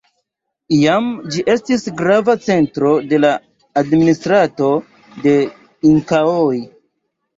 Iam ĝi estis grava centro de la administrado de Inkaoj.